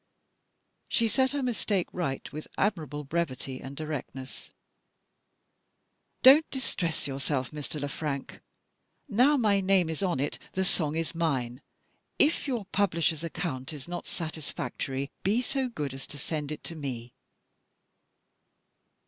She set her mistake right with admirable brevity and directness. "Don't distress yourself, Mr. Le Frank. Now my name is on it, the Song is mine. If your publisher's account is not satisfactory be so good as to send it to _me."